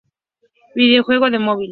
Videojuego de móvil